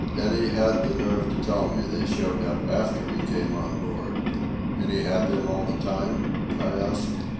And he had the nerve to tell me they showed up after he came on board!" "And he had them all the time?" I asked.